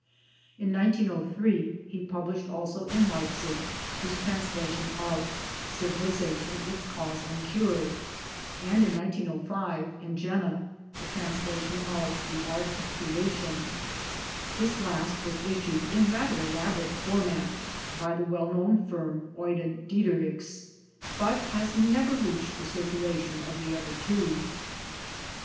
In 1903 he published also in Leipzig his translation of Civilization: its Cause and Cure; and in 1905, in Jena, the translation of The Art of Creation (Die Schopfung als Kunstwerk). This last was issued in rather elaborate format by the well known firm, Eugen Diederichs, but has never reached the circulation of the other two.